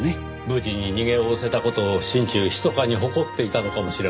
無事に逃げおおせた事を心中ひそかに誇っていたのかもしれませんねぇ。